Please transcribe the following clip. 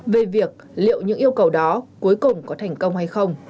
về việc liệu những yêu cầu đó cuối cùng có thành công hay không